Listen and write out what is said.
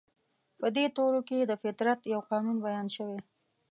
په دې تورو کې د فطرت يو قانون بيان شوی.